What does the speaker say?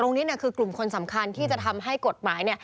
นี่คือกลุ่มคนสำคัญที่จะทำให้กฎหมาย